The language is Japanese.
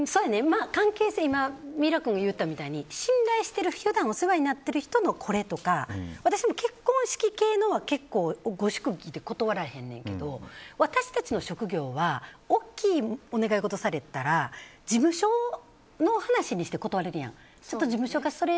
三浦君も言ったみたいに信頼している人のは私も結婚式系のは結構ご祝儀で断らへんねんけど私たちの職業は大きいお願い事されたら事務所の話にして断れるやん。